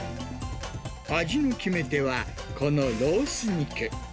味の決め手は、このロース肉。